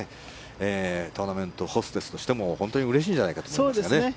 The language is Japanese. トーナメントホステスとしても本当にうれしいんじゃないかと思います。